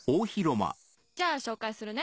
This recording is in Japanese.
じゃあ紹介するね。